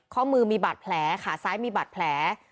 ข้อมือมีบาดแผลขาซ้ายมีบาดแผล